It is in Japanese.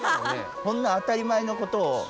こんな当たり前のことを。